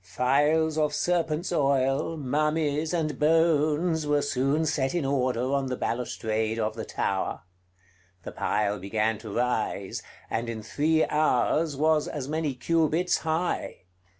Phials of serpents' oil, mummies, and bones were soon set in order on the balustrade of the tower. The pile began to rise; and in three hours was as many cubits high.